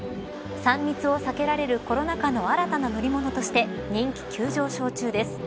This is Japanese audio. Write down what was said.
３密を避けられるコロナ禍の新たな乗り物として人気急上昇中です。